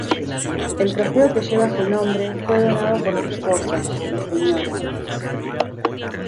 El trofeo que lleva su nombre fue donado por su esposa, la Sra.